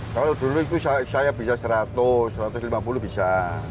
kalau dulu itu saya bisa seratus satu ratus lima puluh bisa